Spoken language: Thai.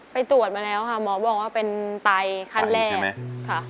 ไปตรวจมาแล้วค่ะหมอบอกว่าเป็นไตขั้นแรกค่ะ